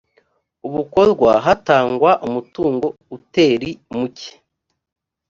ubukorwa hatangwa umutungo uteri muke